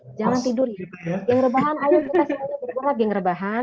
oke jangan tidur ya